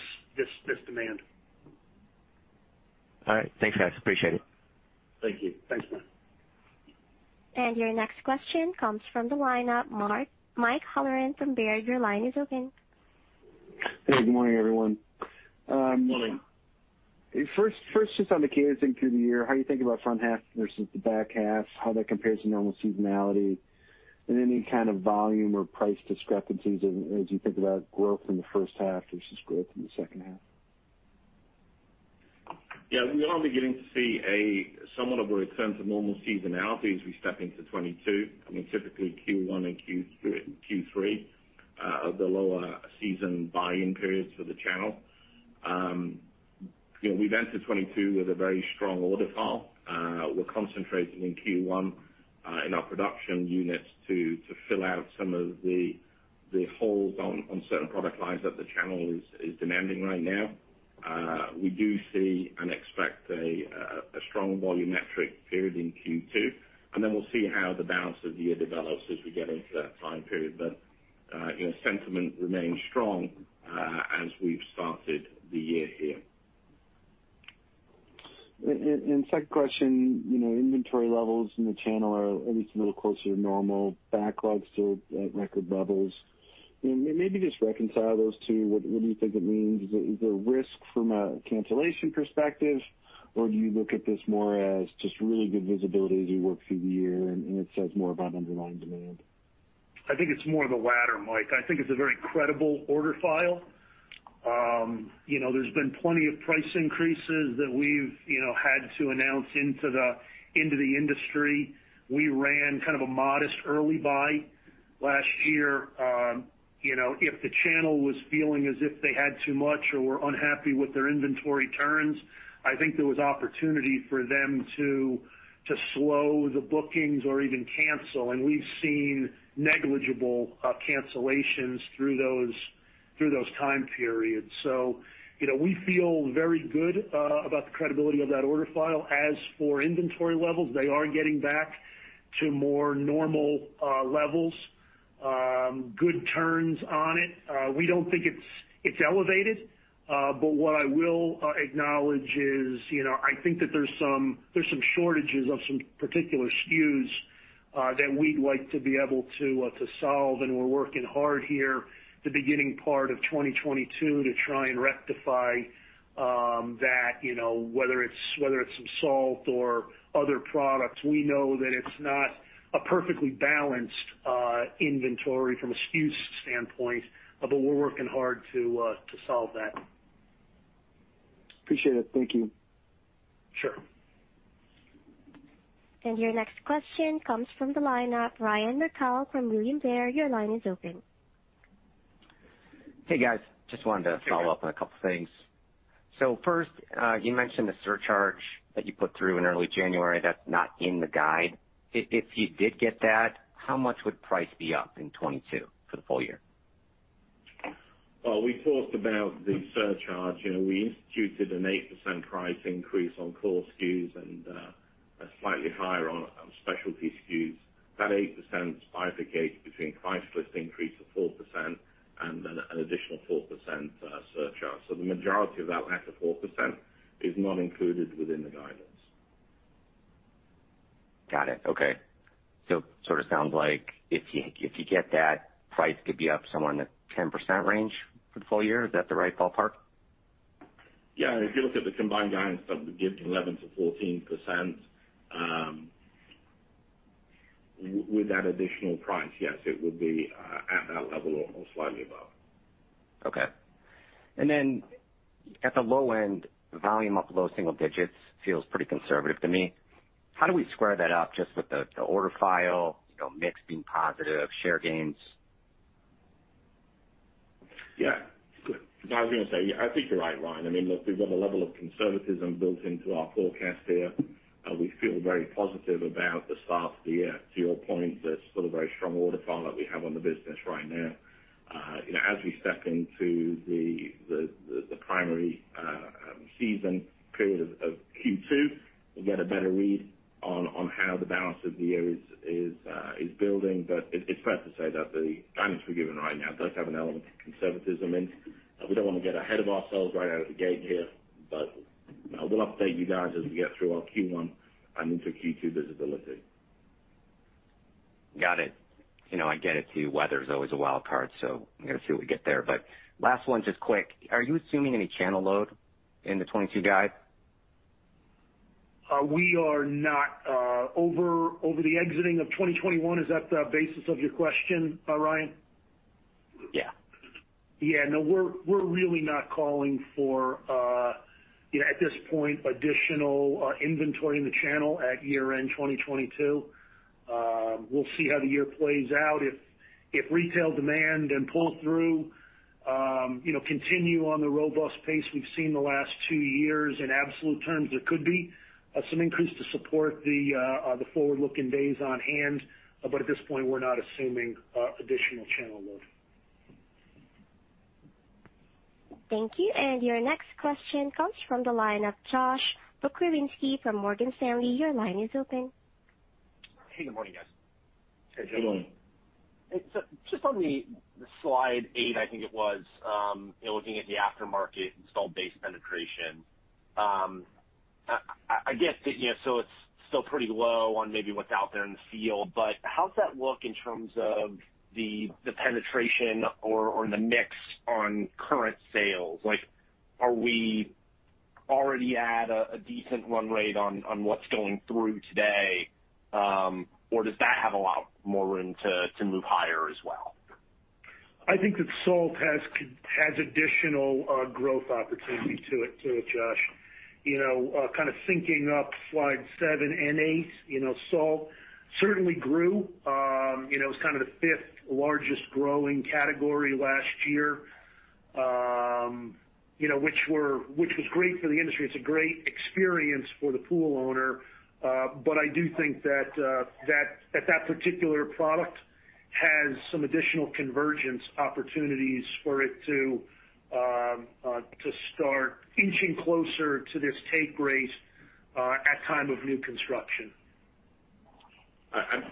demand. All right. Thanks, guys. Appreciate it. Thank you. Thanks, Brian. Your next question comes from the lineup, Mike Halloran from Baird. Your line is open. Hey, good morning, everyone. Good morning. First, just on the cadence in through the year, how you think about front half versus the back half, how that compares to normal seasonality, and any kind of volume or price discrepancies as you think about growth in the first half versus growth in the second half. Yeah. We are beginning to see a somewhat of a return to normal seasonality as we step into 2022. I mean, typically Q1 and Q3 are the lower season buy-in periods for the channel. You know, we've entered 2022 with a very strong order file. We're concentrating in Q1 in our production units to fill out some of the holes on certain product lines that the channel is demanding right now. We do see and expect a strong volumetric period in Q2, and then we'll see how the balance of the year develops as we get into that time period. You know, sentiment remains strong as we've started the year here. Second question, you know, inventory levels in the channel are at least a little closer to normal. Backlogs are at record levels. You know, maybe just reconcile those two. What do you think it means? Is there risk from a cancellation perspective, or do you look at this more as just really good visibility as you work through the year and it says more about underlying demand? I think it's more of the latter, Mike. I think it's a very credible order file. You know, there's been plenty of price increases that we've, you know, had to announce into the industry. We ran kind of a modest early buy last year. You know, if the channel was feeling as if they had too much or were unhappy with their inventory turns, I think there was opportunity for them to slow the bookings or even cancel, and we've seen negligible cancellations through those time periods. You know, we feel very good about the credibility of that order file. As for inventory levels, they are getting back to more normal levels. Good turns on it. We don't think it's elevated, but what I will acknowledge is, you know, I think that there's some shortages of some particular SKUs that we'd like to be able to solve, and we're working hard here the beginning part of 2022 to try and rectify that, you know, whether it's some salt or other products. We know that it's not a perfectly balanced inventory from a SKUs standpoint, but we're working hard to solve that. Appreciate it. Thank you. Sure. Your next question comes from the line of Ryan Merkel from William Blair. Your line is open. Hey, guys. Just wanted to follow up on a couple of things. First, you mentioned the surcharge that you put through in early January that's not in the guide. If you did get that, how much would price be up in 2022 for the full year? Well, we talked about the surcharge. You know, we instituted an 8% price increase on core SKUs and a slightly higher on specialty SKUs. That 8% bifurcates between price list increase of 4% and then an additional 4% surcharge. The majority of that latter 4% is not included within the guidance. Got it. Okay. Sort of sounds like if you get that, price could be up somewhere in the 10% range for the full year. Is that the right ballpark? Yeah. If you look at the combined guidance of the given 11%-14%, with that additional price, yes, it would be at that level or slightly above. Okay. At the low end, volume up low single digits feels pretty conservative to me. How do we square that up just with the order file, you know, mix being positive, share gains? Yeah. I was gonna say, I think you're right, Ryan. I mean, look, we've got a level of conservatism built into our forecast here. We feel very positive about the start of the year. To your point, there's still a very strong order file that we have on the business right now. You know, as we step into the primary season period of Q2, we'll get a better read on how the balance of the year is building. But it's fair to say that the guidance we're giving right now does have an element of conservatism in it. We don't want to get ahead of ourselves right out of the gate here, but you know, we'll update you guys as we get through our Q1 and into Q2 visibility. Got it. You know, I get it too. Weather's always a wild card, so I'm gonna see what we get there. But last one, just quick. Are you assuming any channel load in the 2022 guide? We are not. Over the exiting of 2021, is that the basis of your question, Ryan? Yeah. Yeah, no, we're really not calling for, you know, at this point, additional inventory in the channel at year-end 2022. We'll see how the year plays out. If retail demand and pull-through, you know, continue on the robust pace we've seen the last two years in absolute terms, there could be some increase to support the forward-looking days on hand. At this point, we're not assuming additional channel load. Thank you. Your next question comes from the line of Josh Pokrzywinski from Morgan Stanley. Your line is open. Hey, good morning, guys. Hey, Josh. Good morning. Just on the slide 8, I think it was, you know, looking at the aftermarket installed base penetration. I get that, you know, so it's still pretty low on maybe what's out there in the field, but how's that look in terms of the penetration or the mix on current sales? Like, are we already at a decent run rate on what's going through today? Or does that have a lot more room to move higher as well? I think that salt has additional growth opportunity to it, Josh. You know, kind of syncing up slide 7 and 8, you know, salt certainly grew. You know, it was kind of the fifth largest growing category last year, you know, which was great for the industry. It's a great experience for the pool owner. But I do think that that particular product has some additional convergence opportunities for it to start inching closer to this take rate at time of new construction. I'd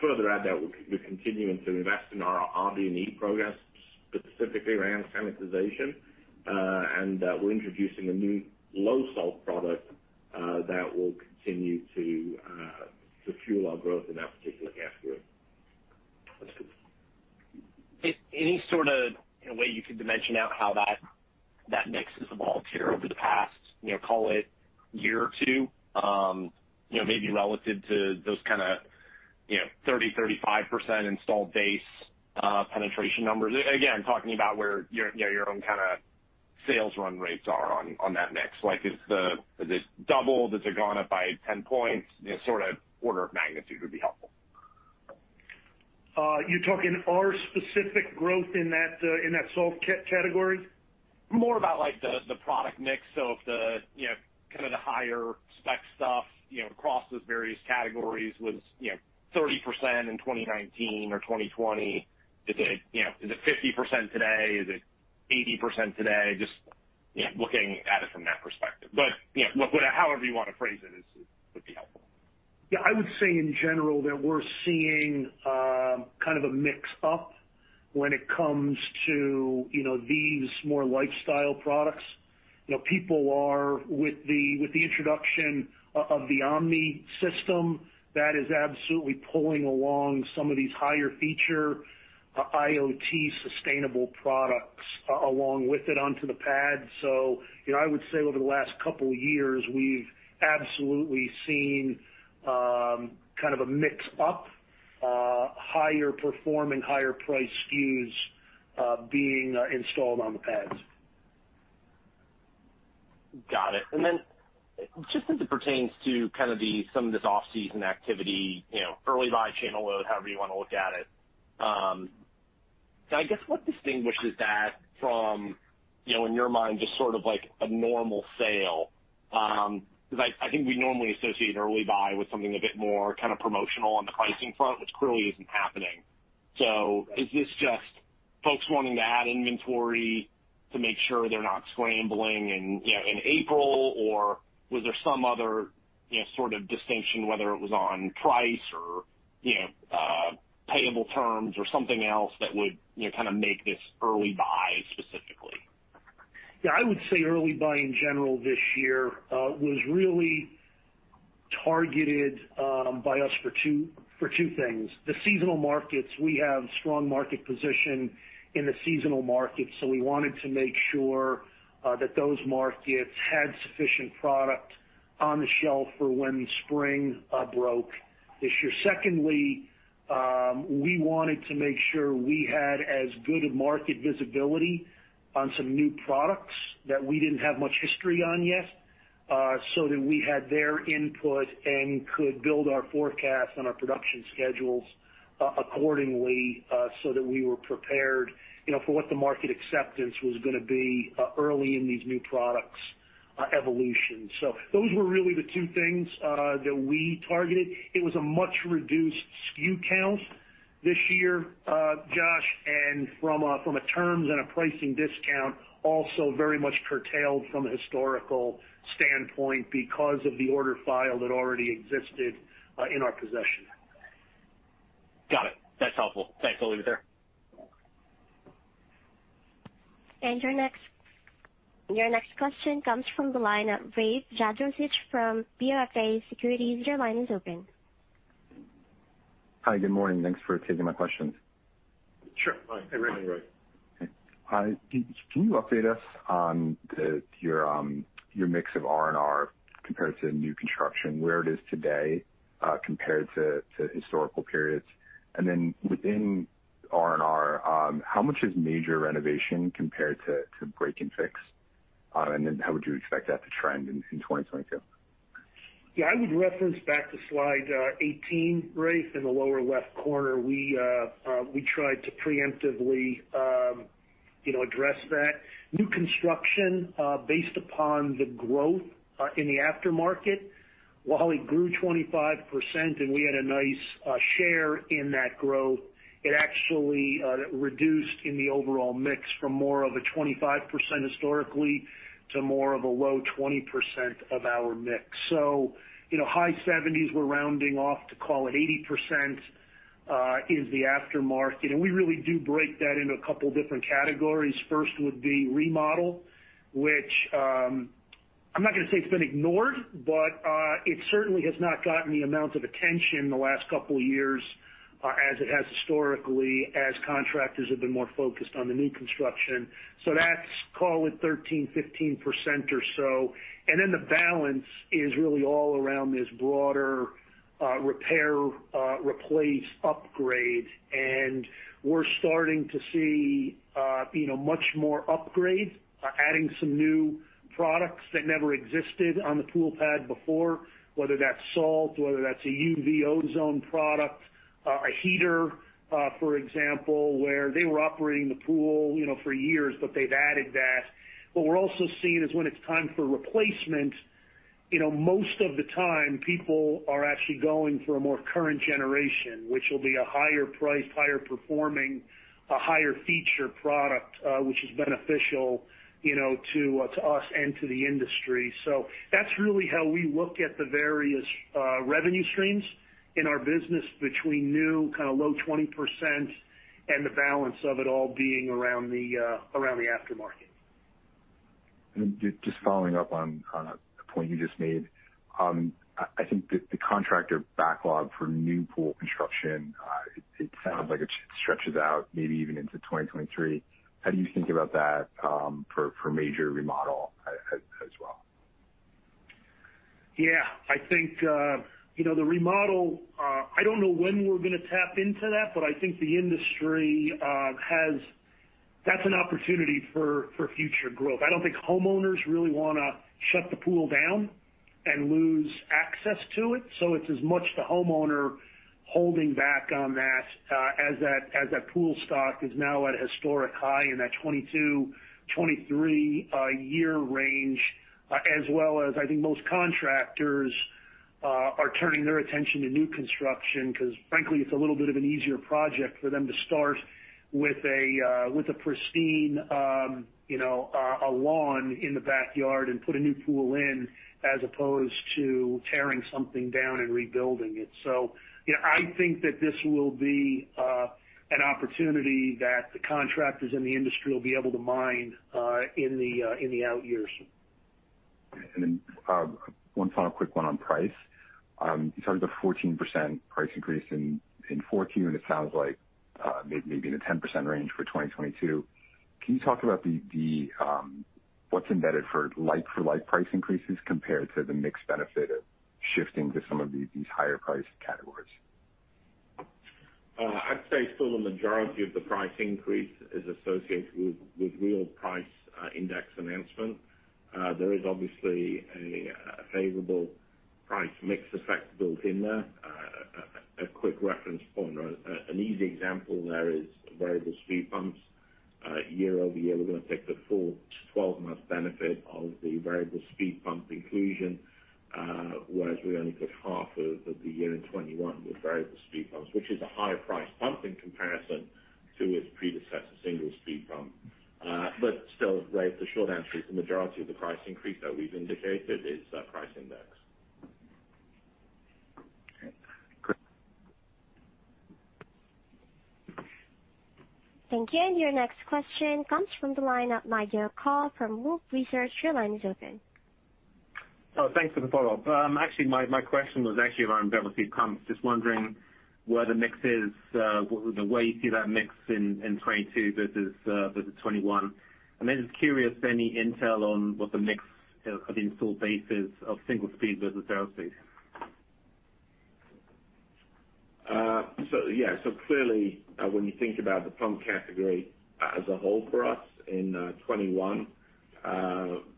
further add that we're continuing to invest in our RD&E progress, specifically around sanitization, and we're introducing a new low salt product that will continue to fuel our growth in that particular category. Any sort of way you could dimension out how that mix has evolved here over the past, you know, call it year or two, you know, maybe relative to those kind of, you know, 30%-35% installed base penetration numbers? Again, talking about where your own kinda sales run rates are on that mix. Like, has it doubled? Has it gone up by 10 points? You know, sorta order of magnitude would be helpful. You're talking about our specific growth in that salt category? More about, like, the product mix. If the, you know, kinda the higher spec stuff, you know, across those various categories was, you know, 30% in 2019 or 2020, is it, you know, is it 50% today? Is it 80% today? Just, you know, looking at it from that perspective. You know, whatever, however you wanna phrase it is would be helpful. Yeah, I would say in general that we're seeing kind of a mix up when it comes to, you know, these more lifestyle products. You know, people are with the, with the introduction of the Omni system, that is absolutely pulling along some of these higher feature IoT sustainable products along with it onto the pad. You know, I would say over the last couple years, we've absolutely seen kind of a mix up higher performing, higher priced SKUs being installed on the pads. Got it. Then just as it pertains to kind of the some of this off-season activity, you know, early buy channel load, however you wanna look at it. So I guess what distinguishes that from, you know, in your mind, just sort of like a normal sale? 'Cause I think we normally associate early buy with something a bit more kind of promotional on the pricing front, which clearly isn't happening. Is this just folks wanting to add inventory to make sure they're not scrambling in, you know, in April? Or was there some other, you know, sort of distinction, whether it was on price or, you know, payable terms or something else that would, you know, kind of make this early buy specifically? Yeah, I would say early buy in general this year was really targeted by us for two things. The seasonal markets, we have strong market position in the seasonal markets, so we wanted to make sure that those markets had sufficient product on the shelf for when spring broke this year. Secondly, we wanted to make sure we had as good a market visibility on some new products that we didn't have much history on yet, so that we had their input and could build our forecast and our production schedules accordingly, so that we were prepared, you know, for what the market acceptance was gonna be early in these new products evolution. Those were really the two things that we targeted. It was a much reduced SKU count this year, Josh, and from a terms and a pricing discount, also very much curtailed from a historical standpoint because of the order file that already existed in our possession. Got it. That's helpful. Thanks. I'll leave it there. Your next question comes from the line of Rafe Jadrosich from B. Riley Securities. Your line is open. Hi, good morning. Thanks for taking my questions. Sure. Hi, everybody. Hi. Can you update us on your mix of R&R compared to new construction, where it is today, compared to historical periods? Within R&R, how much is major renovation compared to break and fix? How would you expect that to trend in 2022? Yeah, I would reference back to slide 18, Rafe, in the lower left corner. We tried to preemptively, you know, address that. New construction, based upon the growth in the aftermarket, while it grew 25% and we had a nice share in that growth, it actually reduced in the overall mix from more of a 25% historically to more of a low 20% of our mix. So, you know, high 70s, we're rounding off to call it 80%, is the aftermarket. We really do break that into a couple different categories. First would be remodel, which, I'm not gonna say it's been ignored, but it certainly has not gotten the amount of attention the last couple years, as it has historically, as contractors have been more focused on the new construction. Call it 13-15% or so. The balance is really all around this broader, repair, replace, upgrade. We're starting to see, you know, much more upgrade, adding some new products that never existed on the pool pad before, whether that's salt, whether that's a UV ozone product, a heater, for example, where they were operating the pool, you know, for years, but they've added that. What we're also seeing is when it's time for replacement, you know, most of the time people are actually going for a more current generation, which will be a higher price, higher performing, a higher feature product, which is beneficial, you know, to us and to the industry. That's really how we look at the various revenue streams in our business between new, kind of low 20% and the balance of it all being around the aftermarket. Just following up on a point you just made. I think the contractor backlog for new pool construction. It sounds like it stretches out maybe even into 2023. How do you think about that for major remodel as well? Yeah. I think, you know, the remodel, I don't know when we're gonna tap into that, but I think the industry has. That's an opportunity for future growth. I don't think homeowners really wanna shut the pool down and lose access to it, so it's as much the homeowner holding back on that, as that pool stock is now at a historic high in that 2022/2023 year range, as well as I think most contractors are turning their attention to new construction because frankly, it's a little bit of an easier project for them to start with a pristine, you know, a lawn in the backyard and put a new pool in as opposed to tearing something down and rebuilding it. You know, I think that this will be an opportunity that the contractors in the industry will be able to mine in the out years. One final quick one on price. You talked about 14% price increase in 2014, and it sounds like maybe in the 10% range for 2022. Can you talk about what's embedded for like-for-like price increases compared to the mix benefit of shifting to some of these higher priced categories? I'd say still the majority of the price increase is associated with real price index announcement. There is obviously a favorable price mix effect built in there. A quick reference point or an easy example there is variable speed pumps. Year-over-year, we're gonna take the full 12-month benefit of the variable speed pump inclusion, whereas we only put half of the year in 2021 with variable speed pumps, which is a higher priced pump in comparison to its predecessor, single speed pump. Still, right, the short answer is the majority of the price increase that we've indicated is price index. Okay, great. Thank you. Your next question comes from the line of Nigel Coe from Wolfe Research. Your line is open. Oh, thanks for the follow-up. Actually, my question was actually around variable speed pumps. Just wondering where the mix is, the way you see that mix in 2022 versus 2021. Just curious, any intel on what the mix of installed bases of single speed versus variable speed? Clearly, when you think about the pump category as a whole for us in 2021,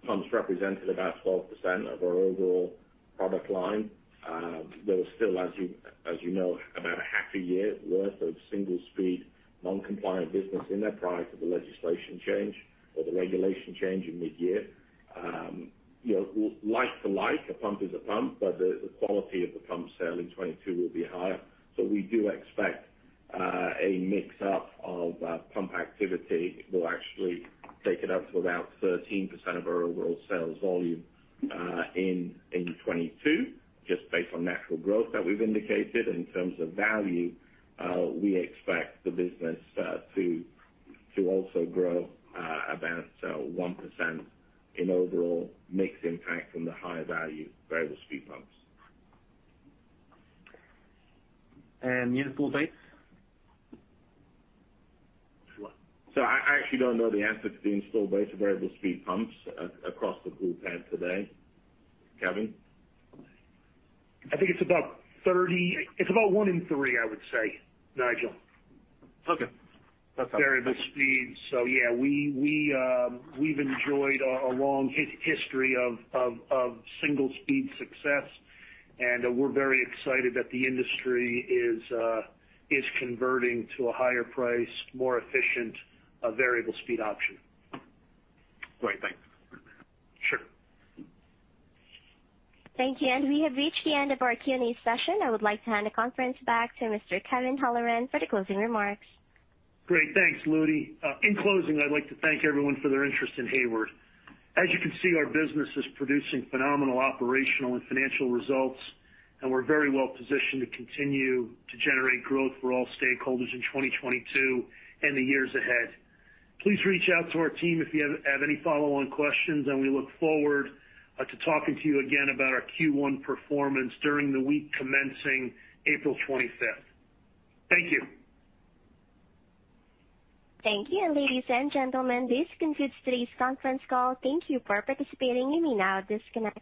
pumps represented about 12% of our overall product line. There was still, as you know, about a half a year worth of single speed non-compliant business in there prior to the legislation change or the regulation change in mid-year. You know, like to like, a pump is a pump, but the quality of the pump sale in 2022 will be higher. We do expect a mix-up of pump activity will actually take it up to about 13% of our overall sales volume in 2022, just based on natural growth that we've indicated. In terms of value, we expect the business to also grow about 1% in overall mix impact from the higher value variable speed pumps. The installed base? I actually don't know the answer to the installed base of variable speed pumps across the pool pad today, Kevin? I think it's about one in three, I would say, Nigel. Okay. That's helpful. Variable speed. Yeah, we've enjoyed a long history of single speed success, and we're very excited that the industry is converting to a higher priced, more efficient variable speed option. Great. Thanks. Sure. Thank you. We have reached the end of our Q&A session. I would like to hand the conference back to Mr. Kevin Holleran for the closing remarks. Great. Thanks, Ludy. In closing, I'd like to thank everyone for their interest in Hayward. As you can see, our business is producing phenomenal operational and financial results, and we're very well positioned to continue to generate growth for all stakeholders in 2022 and the years ahead. Please reach out to our team if you have any follow-on questions, and we look forward to talking to you again about our Q1 performance during the week commencing April 25th. Thank you. Thank you. Ladies and gentlemen, this concludes today's conference call. Thank you for participating. You may now disconnect.